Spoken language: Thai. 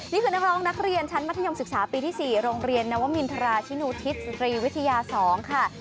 นี่คือนักร้องนักเรียนชั้นมัธยมศึกษาปีที่๔โรงเรียนนวมินทราชินูทิศสตรีวิทยา๒ค่ะ